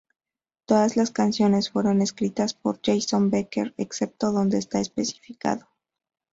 Todas las canciones fueron escritas por Jason Becker, excepto donde está especificado.